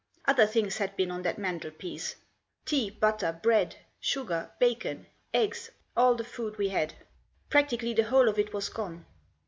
Other things had been on that mantelpiece — tea, butter, bread, sugar, bacon, eggs, all the food we had. Practically the whole of it was gone.